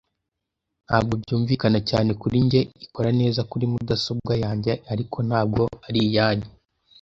Ntabwo byumvikana cyane kuri njye ikora neza kuri mudasobwa yanjye, ariko ntabwo ari iyanyu.